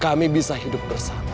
kami bisa hidup bersama